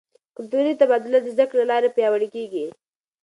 کلتوري تبادله د زده کړې له لارې پیاوړې کیږي.